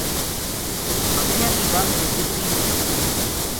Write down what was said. بکریاں کی گل بسرتی نیہہ۔